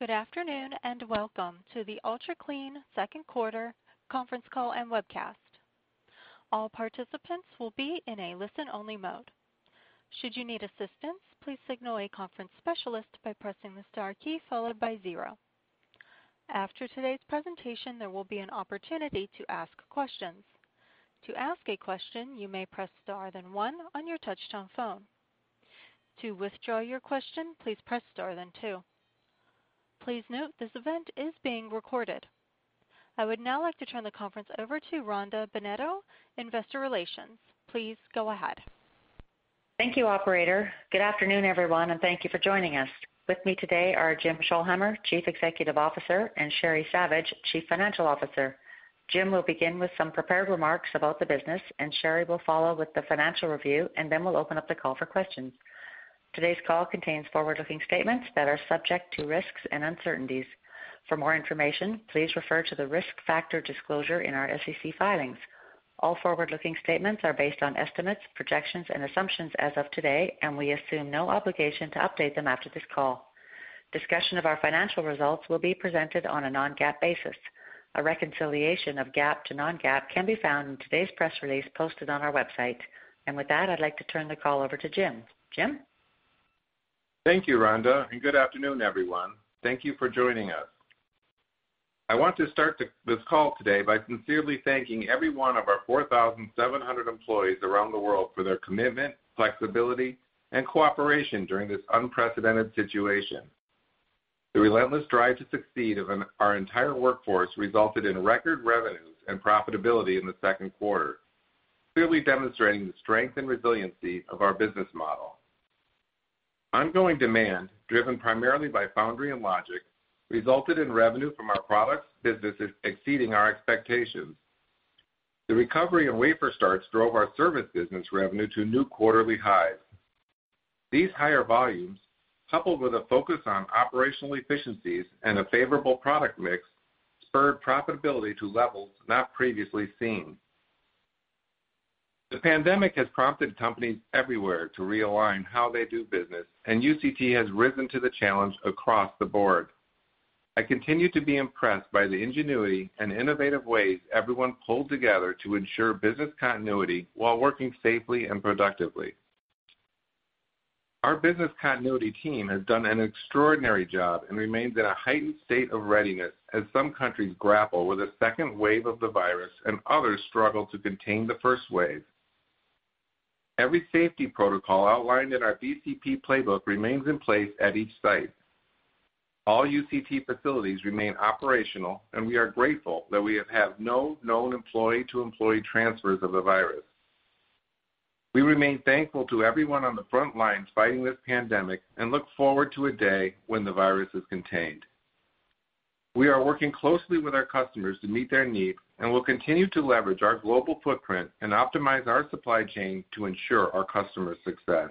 Good afternoon and welcome to the Ultra Clean Q2 conference call and webcast. All participants will be in a listen-only mode. Should you need assistance, please signal a conference specialist by pressing the star key followed by zero. After today's presentation, there will be an opportunity to ask questions. To ask a question, you may press star then one on your touch-tone phone. To withdraw your question, please press star then two. Please note this event is being recorded. I would now like to turn the conference over to Rhonda Bennetto, Investor Relations. Please go ahead. Thank you, Operator. Good afternoon, everyone, and thank you for joining us. With me today are Jim Scholhamer, Chief Executive Officer, and Sherry Savage, Chief Financial Officer. Jim will begin with some prepared remarks about the business, and Sherry will follow with the financial review, and then we'll open up the call for questions. Today's call contains forward-looking statements that are subject to risks and uncertainties. For more information, please refer to the risk factor disclosure in our SEC filings. All forward-looking statements are based on estimates, projections, and assumptions as of today, and we assume no obligation to update them after this call. Discussion of our financial results will be presented on a non-GAAP basis. A reconciliation of GAAP to non-GAAP can be found in today's press release posted on our website. And with that, I'd like to turn the call over to Jim. Jim? Thank you, Rhonda, and good afternoon, everyone. Thank you for joining us. I want to start this call today by sincerely thanking every one of our 4,700 employees around the world for their commitment, flexibility, and cooperation during this unprecedented situation. The relentless drive to succeed of our entire workforce resulted in record revenues and profitability in the Q2, clearly demonstrating the strength and resiliency of our business model. Ongoing demand, driven primarily by foundry and logic, resulted in revenue from our products and businesses exceeding our expectations. The recovery in wafer starts drove our service business revenue to new quarterly highs. These higher volumes, coupled with a focus on operational efficiencies and a favorable product mix, spurred profitability to levels not previously seen. The pandemic has prompted companies everywhere to realign how they do business, and UCT has risen to the challenge across the board. I continue to be impressed by the ingenuity and innovative ways everyone pulled together to ensure business continuity while working safely and productively. Our business continuity team has done an extraordinary job and remains in a heightened state of readiness as some countries grapple with a second wave of the virus and others struggle to contain the first wave. Every safety protocol outlined in our BCP playbook remains in place at each site. All UCT facilities remain operational, and we are grateful that we have had no known employee-to-employee transfers of the virus. We remain thankful to everyone on the front lines fighting this pandemic and look forward to a day when the virus is contained. We are working closely with our customers to meet their needs, and we'll continue to leverage our global footprint and optimize our supply chain to ensure our customers' success.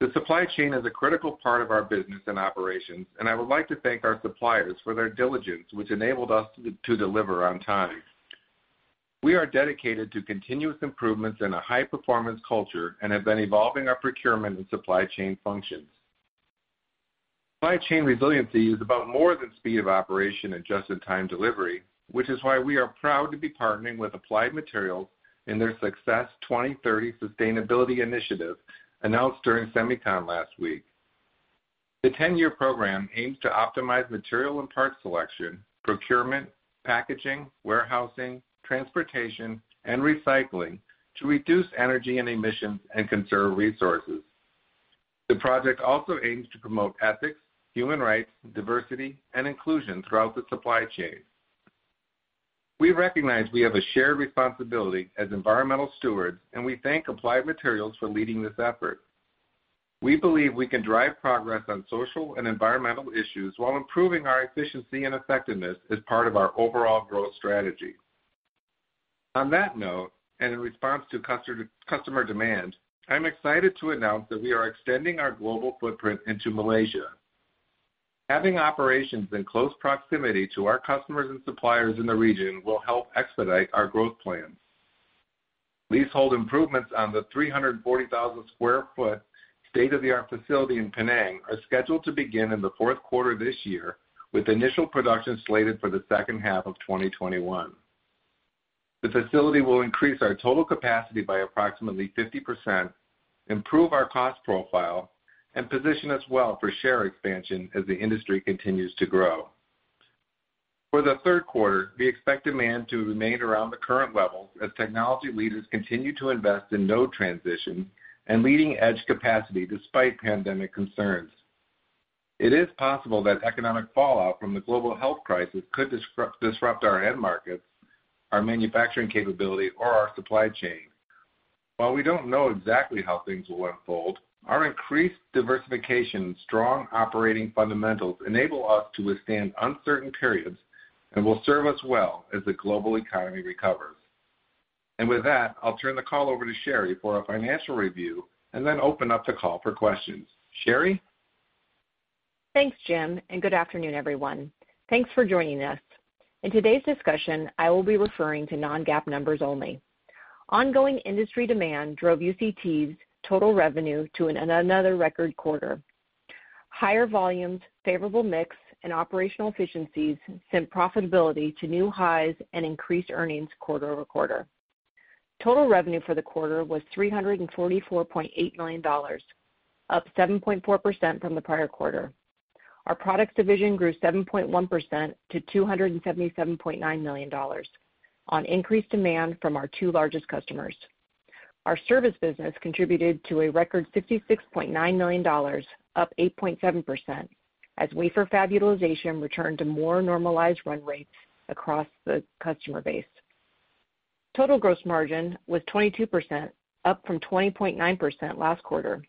The supply chain is a critical part of our business and operations, and I would like to thank our suppliers for their diligence, which enabled us to deliver on time. We are dedicated to continuous improvements and a high-performance culture and have been evolving our procurement and supply chain functions. Supply chain resiliency is about more than speed of operation and just-in-time delivery, which is why we are proud to be partnering with Applied Materials in their Success 2030 sustainability initiative announced during SEMICON last week. The 10-year program aims to optimize material and part selection, procurement, packaging, warehousing, transportation, and recycling to reduce energy and emissions and conserve resources. The project also aims to promote ethics, human rights, diversity, and inclusion throughout the supply chain. We recognize we have a shared responsibility as environmental stewards, and we thank Applied Materials for leading this effort. We believe we can drive progress on social and environmental issues while improving our efficiency and effectiveness as part of our overall growth strategy. On that note, and in response to customer demand, I'm excited to announce that we are extending our global footprint into Malaysia. Having operations in close proximity to our customers and suppliers in the region will help expedite our growth plans. The build-out of the 340,000 sq ft state-of-the-art facility in Penang is scheduled to begin in the Q4 this year, with initial production slated for the second half of 2021. The facility will increase our total capacity by approximately 50%, improve our cost profile, and position us well for share expansion as the industry continues to grow. For the Q3, we expect demand to remain around the current levels as technology leaders continue to invest in node transition and leading-edge capacity despite pandemic concerns. It is possible that economic fallout from the global health crisis could disrupt our end markets, our manufacturing capability, or our supply chain. While we don't know exactly how things will unfold, our increased diversification and strong operating fundamentals enable us to withstand uncertain periods and will serve us well as the global economy recovers. And with that, I'll turn the call over to Sherry for a financial review and then open up the call for questions. Sherry? Thanks, Jim, and good afternoon, everyone. Thanks for joining us. In today's discussion, I will be referring to Non-GAAP numbers only. Ongoing industry demand drove UCT's total revenue to another record quarter. Higher volumes, favorable mix, and operational efficiencies sent profitability to new highs and increased earnings quarter- over -quarter. Total revenue for the quarter was $344.8 million, up 7.4% from the prior quarter. Our products division grew 7.1% to $277.9 million on increased demand from our two largest customers. Our service business contributed to a record $66.9 million, up 8.7%, as wafer fab utilization returned to more normalized run rates across the customer base. Total gross margin was 22%, up from 20.9% last quarter.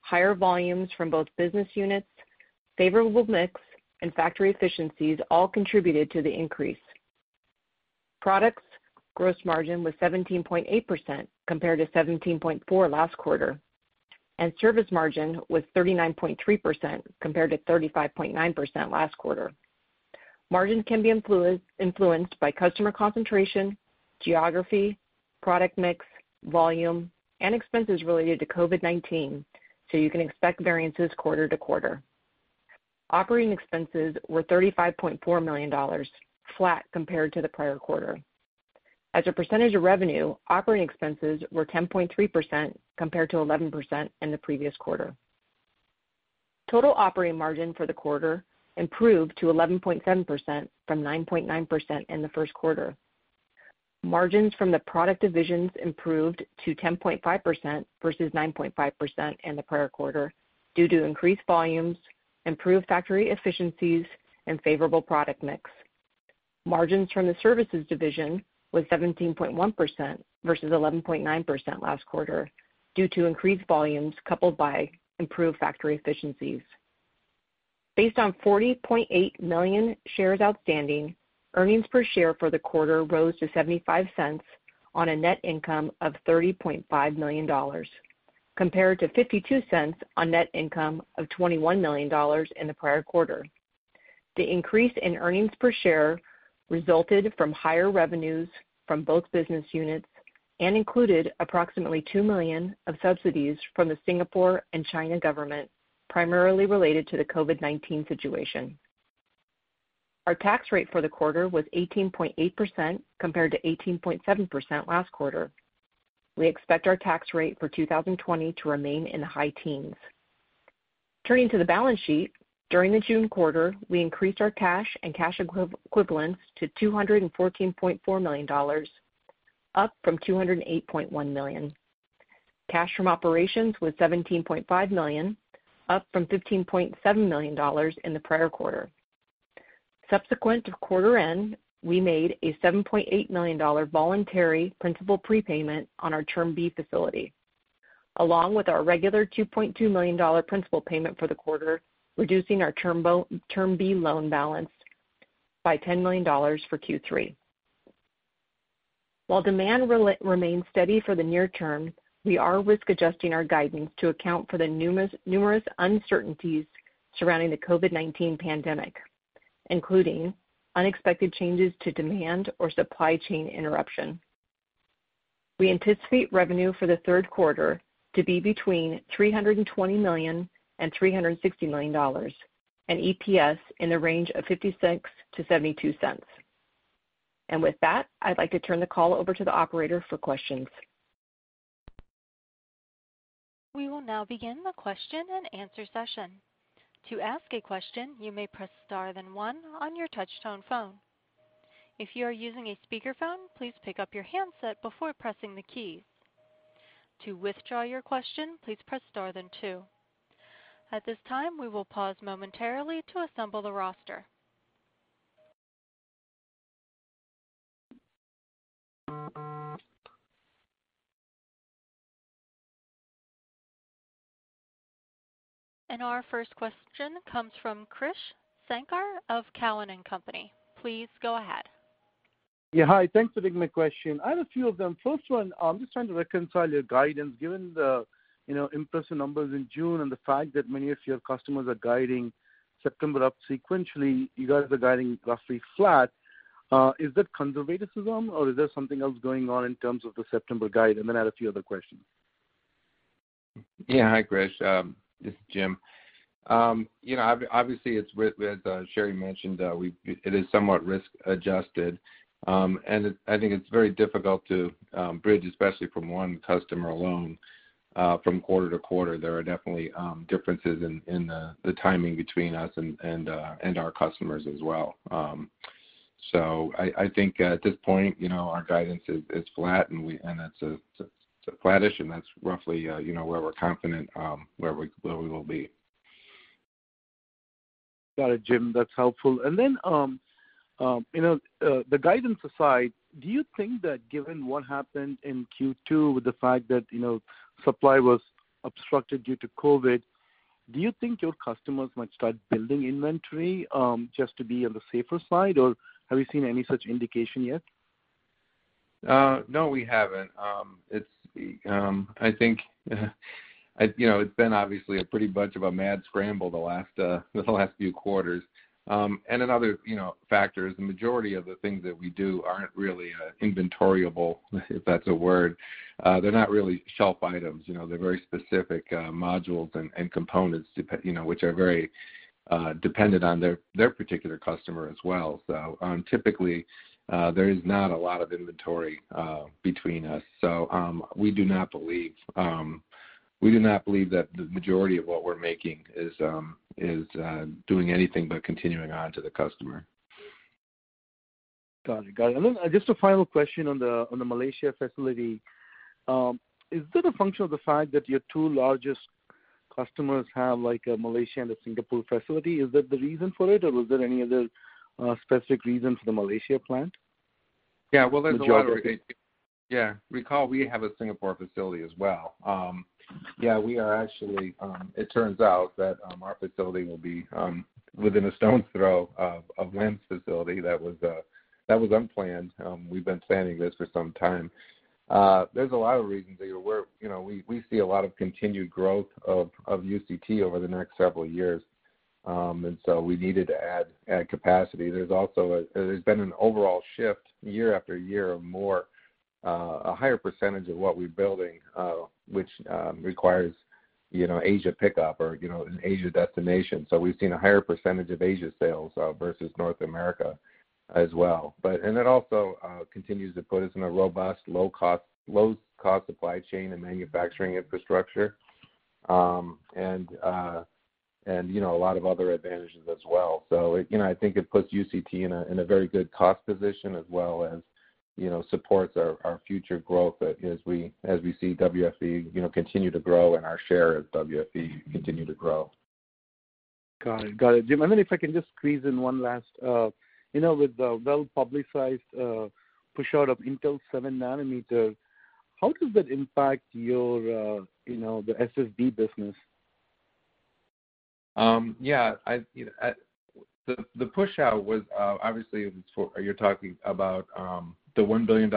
Higher volumes from both business units, favorable mix, and factory efficiencies all contributed to the increase. Products gross margin was 17.8% compared to 17.4% last quarter, and service margin was 39.3% compared to 35.9% last quarter. Margin can be influenced by customer concentration, geography, product mix, volume, and expenses related to COVID-19, so you can expect variances quarter- to -quarter. Operating expenses were $35.4 million, flat compared to the prior quarter. As a percentage of revenue, operating expenses were 10.3% compared to 11% in the previous quarter. Total operating margin for the quarter improved to 11.7% from 9.9% in the Q1. Margins from the product divisions improved to 10.5% versus 9.5% in the prior quarter due to increased volumes, improved factory efficiencies, and favorable product mix. Margins from the services division were 17.1% versus 11.9% last quarter due to increased volumes coupled by improved factory efficiencies. Based on 40.8 million shares outstanding, earnings per share for the quarter rose to $0.75 on a net income of $30.5 million, compared to $0.52 on net income of $21 million in the prior quarter. The increase in earnings per share resulted from higher revenues from both business units and included approximately $2 million of subsidies from the Singapore and China government, primarily related to the COVID-19 situation. Our tax rate for the quarter was 18.8% compared to 18.7% last quarter. We expect our tax rate for 2020 to remain in the high teens. Turning to the balance sheet, during the June quarter, we increased our cash and cash equivalents to $214.4 million, up from $208.1 million. Cash from operations was $17.5 million, up from $15.7 million in the prior quarter. Subsequent to quarter end, we made a $7.8 million voluntary principal prepayment on our Term B facility, along with our regular $2.2 million principal payment for the quarter, reducing our Term B loan balance by $10 million for Q3. While demand remains steady for the near term, we are risk-adjusting our guidance to account for the numerous uncertainties surrounding the COVID-19 pandemic, including unexpected changes to demand or supply chain interruption. We anticipate revenue for the Q3 to be between $320 million and $360 million, and EPS in the range of $0.56-$0.72. And with that, I'd like to turn the call over to the Operator for questions. We will now begin the question and answer session. To ask a question, you may press star then one on your touch-tone phone. If you are using a speakerphone, please pick up your handset before pressing the keys. To withdraw your question, please press star then two. At this time, we will pause momentarily to assemble the questioners, and our first question comes from Krish Sankar of Cowen & Company. Please go ahead. Yeah, hi. Thanks for taking my question. I have a few of them. First one, I'm just trying to reconcile your guidance. Given the impressive numbers in June and the fact that many of your customers are guiding September up sequentially, you guys are guiding roughly flat. Is that conservatism, or is there something else going on in terms of the September guide? And then I have a few other questions. Yeah, hi, Krish. This is Jim. Obviously, as Sherry mentioned, it is somewhat risk-adjusted, and I think it's very difficult to bridge, especially from one customer alone. From quarter- to -quarter, there are definitely differences in the timing between us and our customers as well. So I think at this point, our guidance is flat, and it's a flat issue, and that's roughly where we're confident where we will be. Got it, Jim. That's helpful. And then the guidance aside, do you think that given what happened in Q2 with the fact that supply was obstructed due to COVID, do you think your customers might start building inventory just to be on the safer side, or have you seen any such indication yet? No, we haven't. I think it's been obviously a pretty much of a mad scramble the last few quarters. And another factor is the majority of the things that we do aren't really inventoriable, if that's a word. They're not really shelf items. They're very specific modules and components, which are very dependent on their particular customer as well. So typically, there is not a lot of inventory between us. So we do not believe that the majority of what we're making is doing anything but continuing on to the customer. Got it. Got it. And then just a final question on the Malaysia facility. Is that a function of the fact that your two largest customers have a Malaysia and a Singapore facility? Is that the reason for it, or was there any other specific reason for the Malaysia plant? Yeah, well, there's a lot of. In general. Yeah. Recall, we have a Singapore facility as well. Yeah, we are actually, it turns out that our facility will be within a stone's throw of Lam's facility. That was unplanned. We've been planning this for some time. There's a lot of reasons. We see a lot of continued growth of UCT over the next several years, and so we needed to add capacity. There's been an overall shift year after year of a higher percentage of what we're building, which requires Asia pickup or an Asia destination. So we've seen a higher percentage of Asia sales versus North America as well. And it also continues to put us in a robust low-cost supply chain and manufacturing infrastructure and a lot of other advantages as well. So I think it puts UCT in a very good cost position as well as supports our future growth as we see WFE continue to grow and our share of WFE continue to grow. Got it. Got it. Jim, and then if I can just squeeze in one last with the well-publicized push-out of Intel 7 nanometer, how does that impact the SSD business? Yeah. The push-out was obviously you're talking about the $1 billion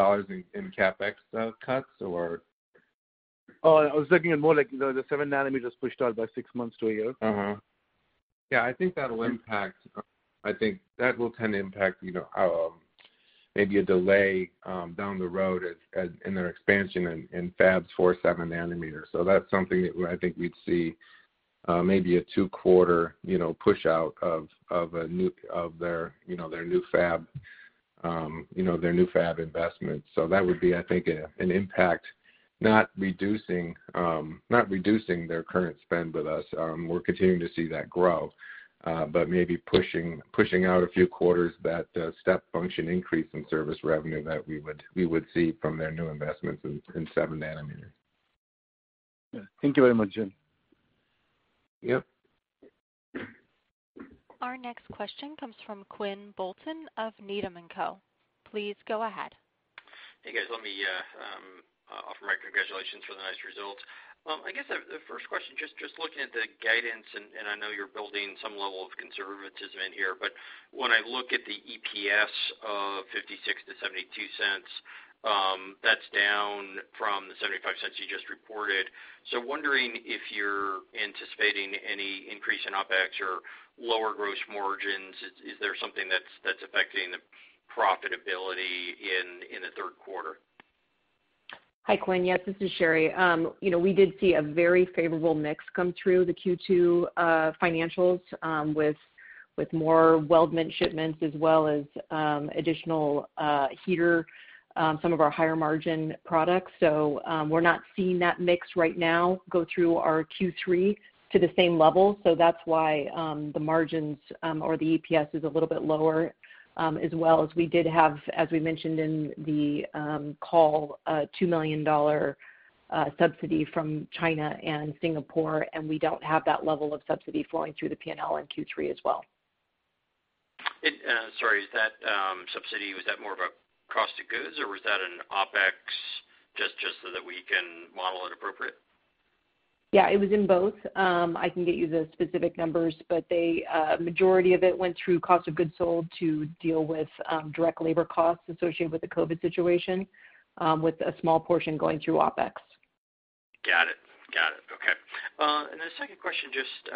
in CapEx cuts, or? Oh, I was thinking more like the 7 nanometers pushed out by six months to a year. Yeah, I think that will impact. I think that will tend to impact maybe a delay down the road in their expansion in fabs for 7 nanometers. So that's something that I think we'd see maybe a Q2 push-out of their new fab investment. So that would be, I think, an impact, not reducing their current spend with us. We're continuing to see that grow, but maybe pushing out a few quarters that step function increase in service revenue that we would see from their new investments in 7 nanometers. Yeah. Thank you very much, Jim. Yep. Our next question comes from Quinn Bolton of Needham & Co. Please go ahead. Hey, guys. Let me offer my congratulations for the nice results. I guess the first question, just looking at the guidance, and I know you're building some level of conservatism in here, but when I look at the EPS of $0.56-$0.72, that's down from the $0.75 you just reported. So, wondering if you're anticipating any increase in OpEx or lower gross margins? Is there something that's affecting the profitability in the Q2? Hi, Quinn. Yes, this is Sherry. We did see a very favorable mix come through the Q2 financials with more weldment shipments as well as additional heater, some of our higher margin products. So we're not seeing that mix right now go through our Q3 to the same level. So that's why the margins or the EPS is a little bit lower as well as we did have, as we mentioned in the call, a $2 million subsidy from China and Singapore, and we don't have that level of subsidy flowing through the P&L in Q3 as well. Sorry, is that subsidy, was that more of a cost of goods, or was that an OpEx just so that we can model it appropriate? Yeah, it was in both. I can get you the specific numbers, but the majority of it went through cost of goods sold to deal with direct labor costs associated with the COVID situation, with a small portion going through OpEx. Got it. Got it. Okay. And then second question, just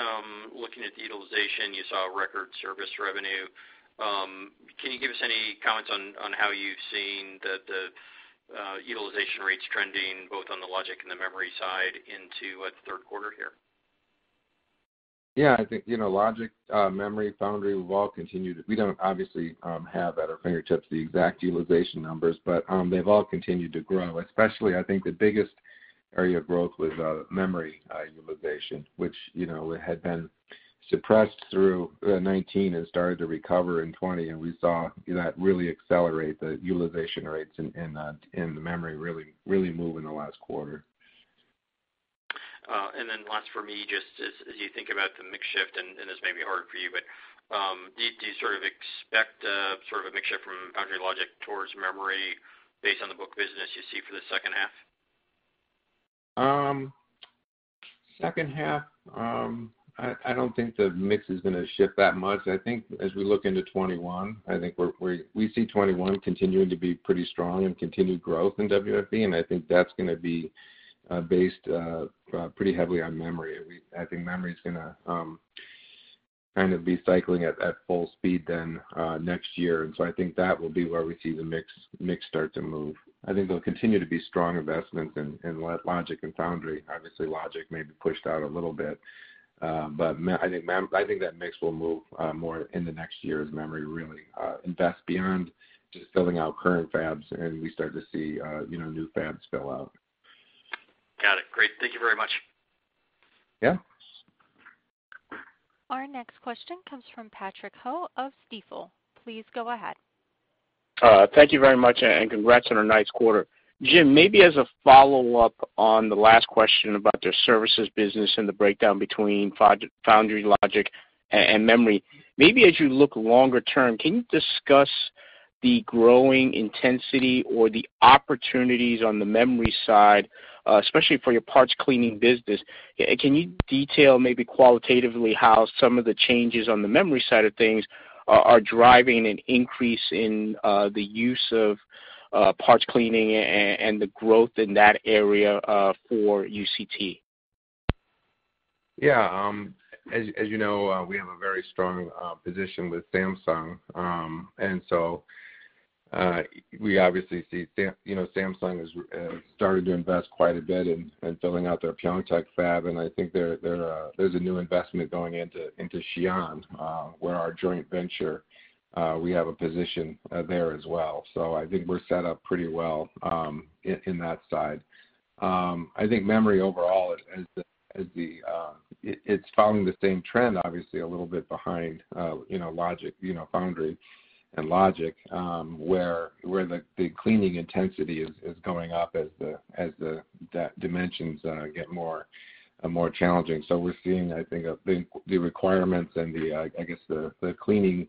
looking at the utilization, you saw record service revenue. Can you give us any comments on how you've seen the utilization rates trending both on the logic and the memory side into the Q3 here? Yeah, I think logic, memory, foundry, we've all continued to, we don't obviously have at our fingertips the exact utilization numbers, but they've all continued to grow. Especially, I think the biggest area of growth was memory utilization, which had been suppressed through 2019 and started to recover in 2020, and we saw that really accelerate the utilization rates in memory really move in the last quarter. And then last for me, just as you think about the mix shift, and this may be hard for you, but do you sort of expect sort of a mix shift from foundry, logic towards memory based on the book business you see for the second half? Second half, I don't think the mix is going to shift that much. I think as we look into 2021, I think we see 2021 continuing to be pretty strong and continued growth in WFE, and I think that's going to be based pretty heavily on memory. I think memory is going to kind of be cycling at full speed then next year. And so I think that will be where we see the mix start to move. I think there'll continue to be strong investments in logic and foundry. Obviously, logic may be pushed out a little bit, but I think that mix will move more in the next year as memory really invests beyond just filling out current fabs and we start to see new fabs fill out. Got it. Great. Thank you very much. Yeah. Our next question comes from Patrick Ho of Stifel. Please go ahead. Thank you very much and congrats on a nice quarter. Jim, maybe as a follow-up on the last question about their services business and the breakdown between foundry, logic and memory, maybe as you look longer term, can you discuss the growing intensity or the opportunities on the memory side, especially for your parts cleaning business? Can you detail maybe qualitatively how some of the changes on the memory side of things are driving an increase in the use of parts cleaning and the growth in that area for UCT? Yeah. As you know, we have a very strong position with Samsung. And so we obviously see Samsung has started to invest quite a bit in filling out their Pyeongtaek fab, and I think there's a new investment going into Xi'an, where our joint venture, we have a position there as well. So I think we're set up pretty well in that side. I think memory overall, it's following the same trend, obviously a little bit behind foundry and logic, where the cleaning intensity is going up as the dimensions get more challenging. So we're seeing, I think, the requirements and, I guess, the cleaning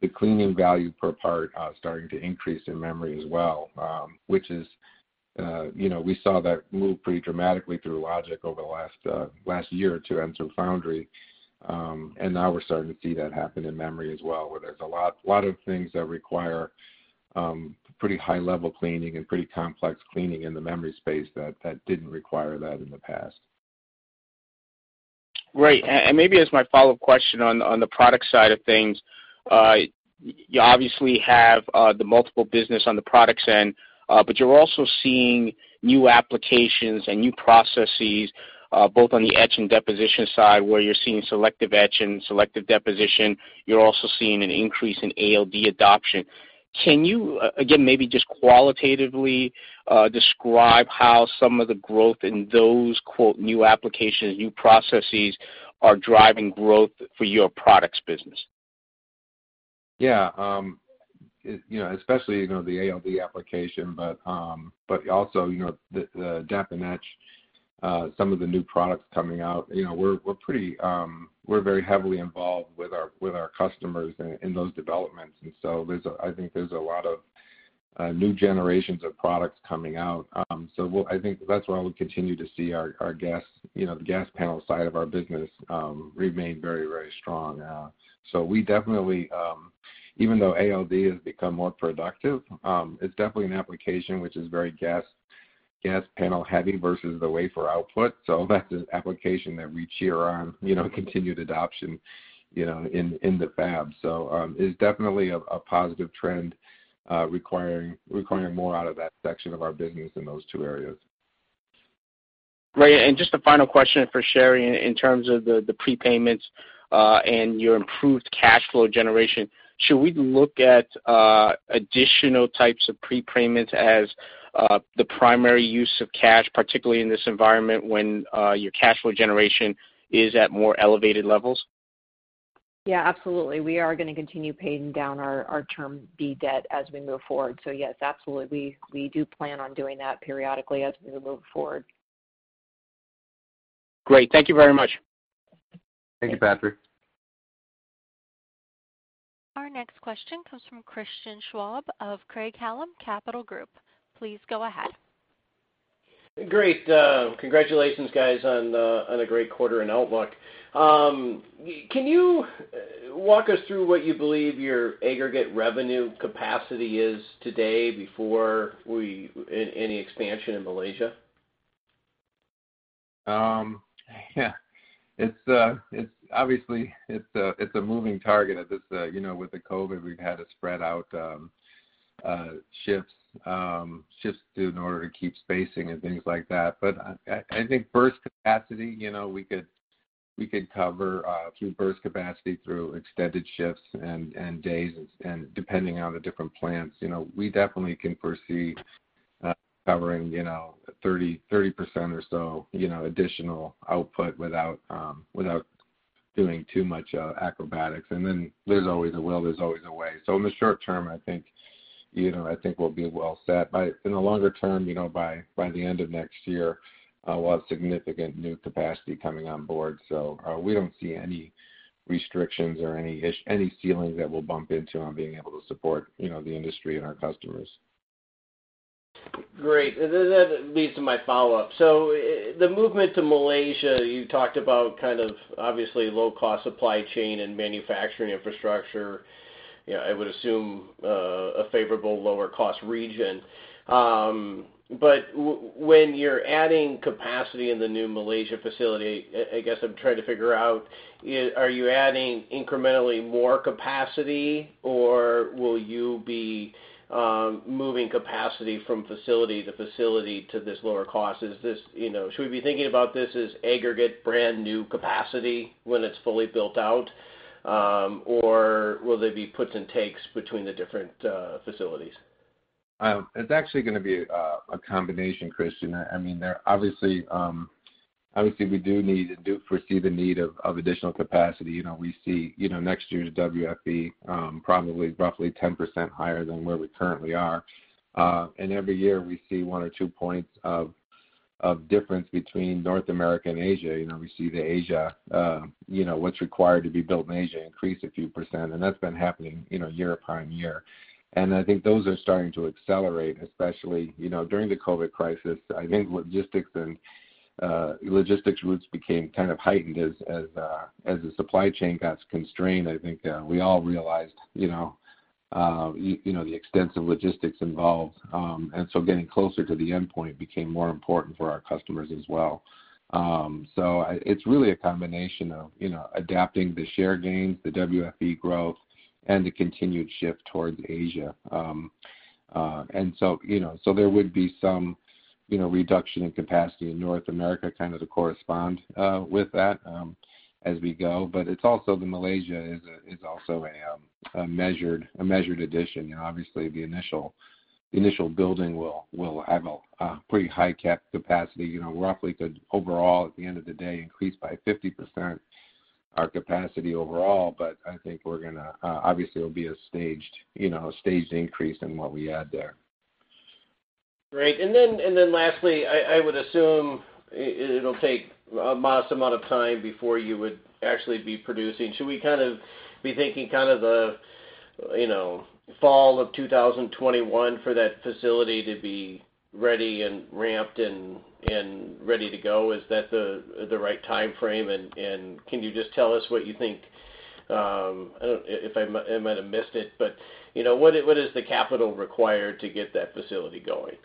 value per part starting to increase in memory as well, which is we saw that move pretty dramatically through logic over the last year or two and through foundry. Now we're starting to see that happen in memory as well, where there's a lot of things that require pretty high-level cleaning and pretty complex cleaning in the memory space that didn't require that in the past. Right, and maybe as my follow-up question on the product side of things, you obviously have the multiple business on the product side, but you're also seeing new applications and new processes both on the etch and deposition side where you're seeing selective etch and selective deposition. You're also seeing an increase in ALD adoption. Can you, again, maybe just qualitatively describe how some of the growth in those "new applications, new processes" are driving growth for your products business? Yeah. Especially the ALD application, but also the deposition and etch, some of the new products coming out. We're very heavily involved with our customers in those developments. And so I think there's a lot of new generations of products coming out. So I think that's why we continue to see the gas panel side of our business remain very, very strong. So we definitely, even though ALD has become more productive, it's definitely an application which is very gas panel heavy versus the wafer output. So that's an application that we cheer on continued adoption in the fab. So it's definitely a positive trend requiring more out of that section of our business in those two areas. Right. And just a final question for Sherry in terms of the prepayments and your improved cash flow generation. Should we look at additional types of prepayments as the primary use of cash, particularly in this environment when your cash flow generation is at more elevated levels? Yeah, absolutely. We are going to continue paying down our Term B debt as we move forward. So yes, absolutely. We do plan on doing that periodically as we move forward. Great. Thank you very much. Thank you, Patrick. Our next question comes from Christian Schwab of Craig-Hallum Capital Group. Please go ahead. Great. Congratulations, guys, on a great quarter and outlook. Can you walk us through what you believe your aggregate revenue capacity is today before any expansion in Malaysia? Yeah. Obviously, it's a moving target with the COVID. We've had to spread out shifts in order to keep spacing and things like that. But I think burst capacity, we could cover through extended shifts and days, and depending on the different plants, we definitely can foresee covering 30% or so additional output without doing too much acrobatics. And then there's always a will, there's always a way. So in the short term, I think we'll be well set. But in the longer term, by the end of next year, we'll have significant new capacity coming on board. So we don't see any restrictions or any ceiling that we'll bump into on being able to support the industry and our customers. Great. That leads to my follow-up. So the movement to Malaysia, you talked about kind of obviously low-cost supply chain and manufacturing infrastructure. I would assume a favorable lower-cost region. But when you're adding capacity in the new Malaysia facility, I guess I'm trying to figure out, are you adding incrementally more capacity, or will you be moving capacity from facility to facility to this lower cost? Should we be thinking about this as aggregate brand new capacity when it's fully built out, or will there be puts and takes between the different facilities? It's actually going to be a combination, Christian. I mean, obviously, we do need to foresee the need of additional capacity. We see next year's WFE probably roughly 10% higher than where we currently are. And every year, we see one or two points of difference between North America and Asia. We see the Asia, what's required to be built in Asia increase a few %. And that's been happening year upon year. And I think those are starting to accelerate, especially during the COVID crisis. I think logistics routes became kind of heightened as the supply chain got constrained. I think we all realized the extensive logistics involved. And so getting closer to the endpoint became more important for our customers as well. So it's really a combination of adapting the share gains, the WFE growth, and the continued shift towards Asia. And so there would be some reduction in capacity in North America kind of to correspond with that as we go. But it's also the Malaysia is also a measured addition. Obviously, the initial building will have a pretty high capacity. Roughly could overall, at the end of the day, increase by 50% our capacity overall, but I think we're going to obviously, it'll be a staged increase in what we add there. Great. And then lastly, I would assume it'll take a modest amount of time before you would actually be producing. Should we kind of be thinking kind of the fall of 2021 for that facility to be ready and ramped and ready to go? Is that the right time frame? And can you just tell us what you think? I might have missed it, but what is the capital required to get that facility going?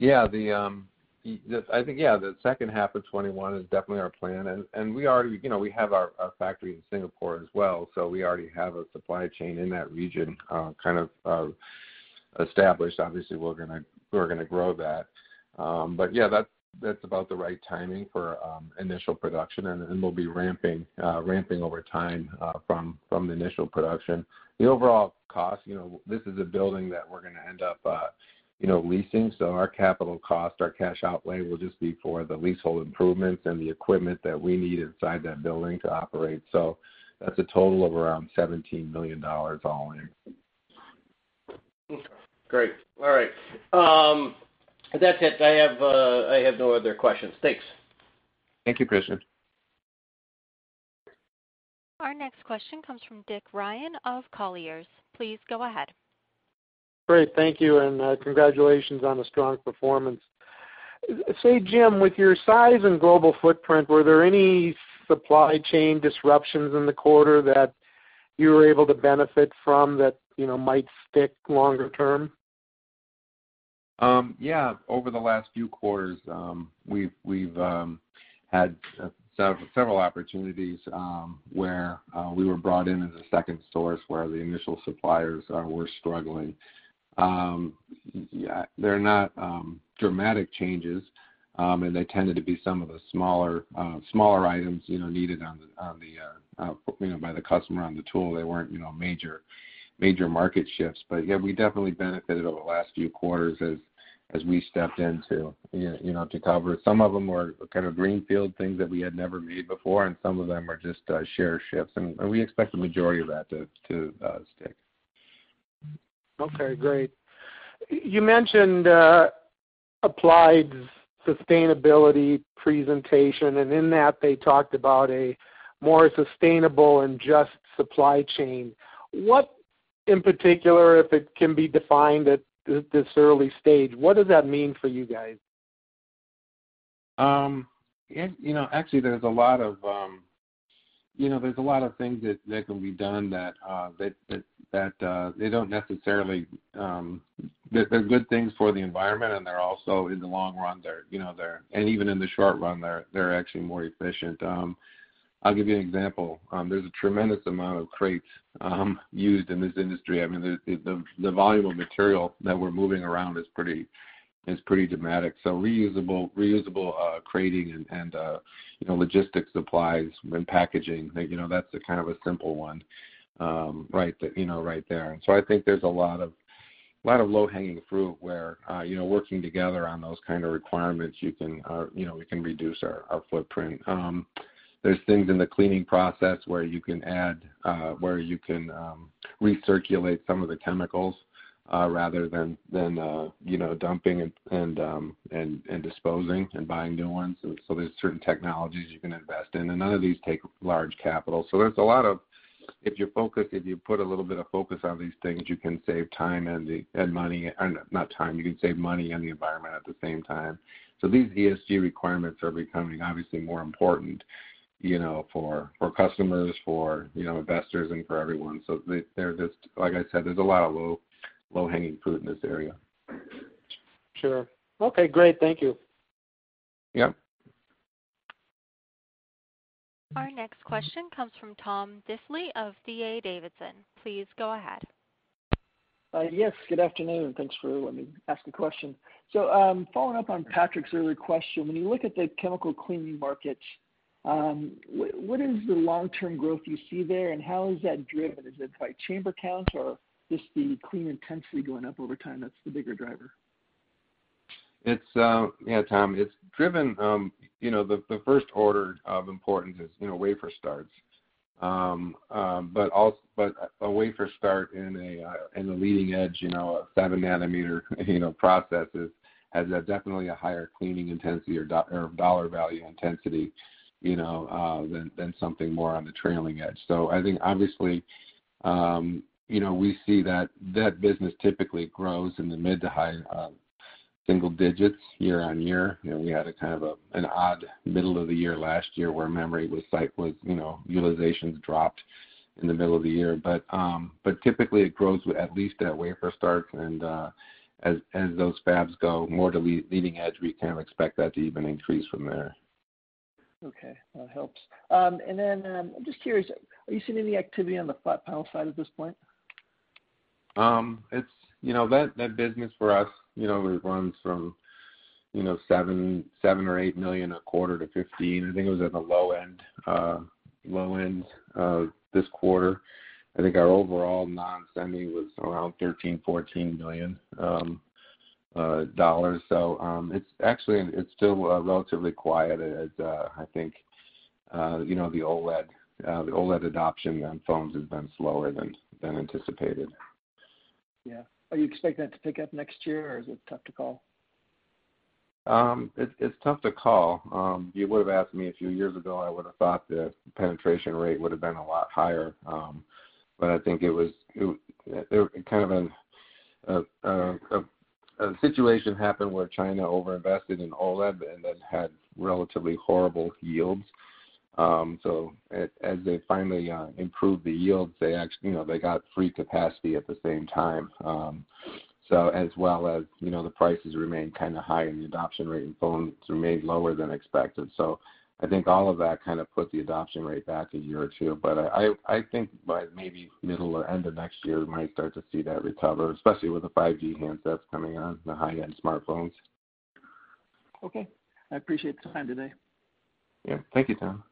Yeah. I think, yeah, the second half of 2021 is definitely our plan, and we have our factory in Singapore as well. So we already have a supply chain in that region kind of established. Obviously, we're going to grow that, but yeah, that's about the right timing for initial production, and we'll be ramping over time from the initial production. The overall cost, this is a building that we're going to end up leasing. So our capital cost, our cash outlay will just be for the leasehold improvements and the equipment that we need inside that building to operate. So that's a total of around $17 million all in. Great. All right. That's it. I have no other questions. Thanks. Thank you, Christian. Our next question comes from Dick Ryan of Colliers. Please go ahead. Great. Thank you. And congratulations on a strong performance. Say, Jim, with your size and global footprint, were there any supply chain disruptions in the quarter that you were able to benefit from that might stick longer term? Yeah. Over the last few quarters, we've had several opportunities where we were brought in as a second source where the initial suppliers were struggling. They're not dramatic changes, and they tended to be some of the smaller items needed by the customer on the tool. They weren't major market shifts. But yeah, we definitely benefited over the last few quarters as we stepped in to cover. Some of them were kind of greenfield things that we had never made before, and some of them are just share shifts. And we expect the majority of that to stick. Okay. Great. You mentioned Applied sustainability presentation, and in that, they talked about a more sustainable and just supply chain. What in particular, if it can be defined at this early stage, what does that mean for you guys? Actually, there's a lot of things that can be done that they don't necessarily. They're good things for the environment, and they're also, in the long run, and even in the short run, they're actually more efficient. I'll give you an example. There's a tremendous amount of crates used in this industry. I mean, the volume of material that we're moving around is pretty dramatic. So reusable crating and logistics supplies and packaging, that's kind of a simple one, right there. And so I think there's a lot of low-hanging fruit where working together on those kind of requirements, we can reduce our footprint. There's things in the cleaning process where you can add, where you can recirculate some of the chemicals rather than dumping and disposing and buying new ones. And so there's certain technologies you can invest in. None of these take large capital. So there's a lot of, if you put a little bit of focus on these things, you can save time and money, not time. You can save money and the environment at the same time. So these ESG requirements are becoming obviously more important for customers, for investors, and for everyone. So, like I said, there's a lot of low-hanging fruit in this area. Sure. Okay. Great. Thank you. Yep. Our next question comes from Tom Diffely of D.A. Davidson. Please go ahead. Yes. Good afternoon. Thanks for letting me ask a question. So following up on Patrick's earlier question, when you look at the chemical cleaning markets, what is the long-term growth you see there, and how is that driven? Is it by chamber count, or is the clean intensity going up over time? That's the bigger driver. Yeah, Tom, it's driven. The first order of importance is wafer starts. But a wafer start in the leading-edge, a 7 nanometer process, has definitely a higher cleaning intensity or dollar value intensity than something more on the trailing edge. So I think, obviously, we see that that business typically grows in the mid- to high-single digits year on year. We had kind of an odd middle of the year last year where memory site utilization dropped in the middle of the year. But typically, it grows with at least that wafer start. And as those fabs go more to leading-edge, we kind of expect that to even increase from there. Okay. That helps. And then I'm just curious, are you seeing any activity on the flat panel side at this point? That business for us, it runs from $7 or $8 million a quarter to $15 million. I think it was at the low end this quarter. I think our overall non-semi was around $13-$14 million. So actually, it's still relatively quiet. I think the OLED adoption on phones has been slower than anticipated. Yeah. Are you expecting that to pick up next year, or is it tough to call? It's tough to call. You would have asked me a few years ago, I would have thought the penetration rate would have been a lot higher. But I think it was kind of a situation happened where China over-invested in OLED and then had relatively horrible yields. So as they finally improved the yields, they got free capacity at the same time, as well as the prices remained kind of high, and the adoption rate in phones remained lower than expected. So I think all of that kind of put the adoption rate back a year or two. But I think by maybe middle or end of next year, we might start to see that recover, especially with the 5G handsets coming on, the high-end smartphones. Okay. I appreciate the time today. Yeah. Thank you, Tom.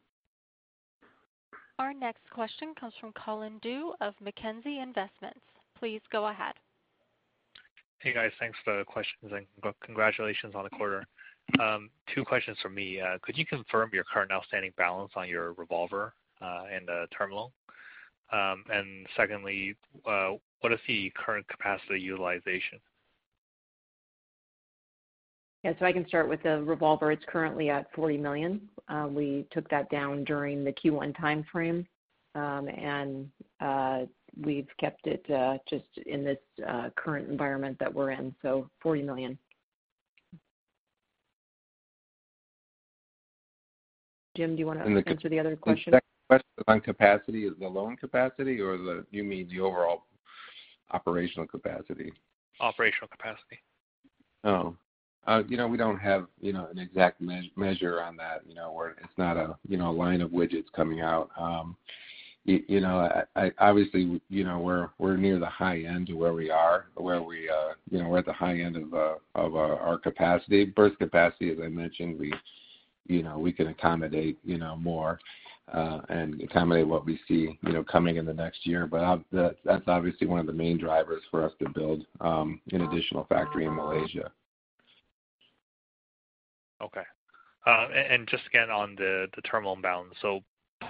Our next question comes from Colin Ducharme of Sterling Capital Management. Please go ahead. Hey, guys. Thanks for the questions and congratulations on the quarter. Two questions for me. Could you confirm your current outstanding balance on your revolver and the Term B? And secondly, what is the current capacity utilization? Yeah. So I can start with the revolver. It's currently at $40 million. We took that down during the Q1 time frame, and we've kept it just in this current environment that we're in. So $40 million. Jim, do you want to answer the other question? Is that question on capacity the loan capacity, or do you mean the overall operational capacity? Operational capacity. Oh. We don't have an exact measure on that. It's not a line of widgets coming out. Obviously, we're near the high end to where we are. We're at the high end of our capacity. Burst capacity, as I mentioned, we can accommodate more and accommodate what we see coming in the next year. But that's obviously one of the main drivers for us to build an additional factory in Malaysia. Okay. And just again on the term loan balance, so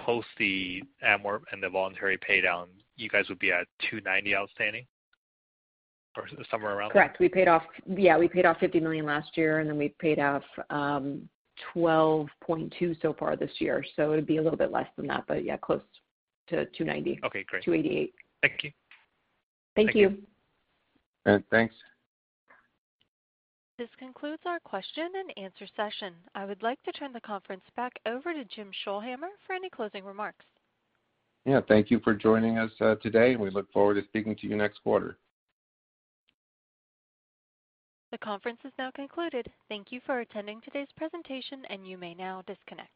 post the amort and the voluntary paydown, you guys would be at 290 outstanding or somewhere around? Correct. Yeah. We paid off $50 million last year, and then we paid off $12.2 million so far this year. So it would be a little bit less than that, but yeah, close to $290 million. Okay. Great. 288. Thank you. Thank you. All right. Thanks. This concludes our question and answer session. I would like to turn the conference back over to Jim Scholhamer for any closing remarks. Yeah. Thank you for joining us today. We look forward to speaking to you next quarter. The conference is now concluded. Thank you for attending today's presentation, and you may now disconnect.